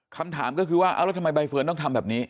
คำถามก็คือว่าเอาแล้วทำไมใบเฟิร์นต้องทำแบบนี้